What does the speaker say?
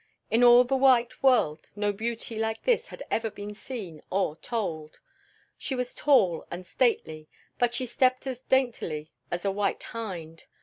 In all the white world no beauty like this had ever been seen or told. She was tall and stately, but she stepped as daintily as a white hind.